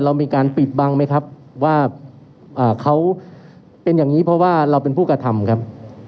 เรามีการปิดบังไหมครับว่าเขาเป็นอย่างนี้เพราะว่าเราเป็นผู้กระทำครับ